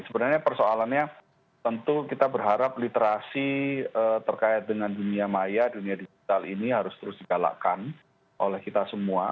sebenarnya persoalannya tentu kita berharap literasi terkait dengan dunia maya dunia digital ini harus terus digalakkan oleh kita semua